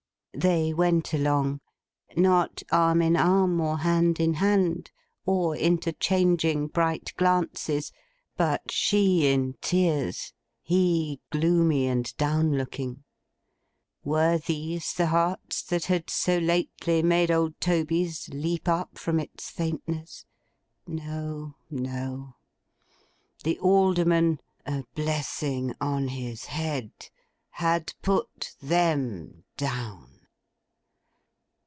They went along. Not arm in arm, or hand in hand, or interchanging bright glances; but, she in tears; he, gloomy and down looking. Were these the hearts that had so lately made old Toby's leap up from its faintness? No, no. The Alderman (a blessing on his head!) had Put them Down.